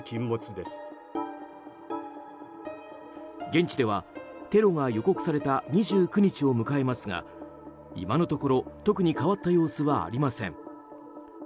現地では、テロが予告された２９日を迎えますが今のところ特に変わった様子はありません。